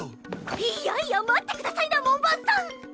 いやいや待ってくださいな門番さん！